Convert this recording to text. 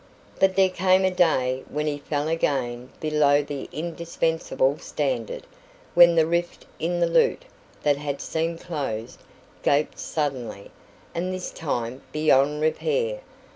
But there came a day when he fell again below the indispensable standard when the rift in the lute, that had seemed closed, gaped suddenly, and this time beyond repair.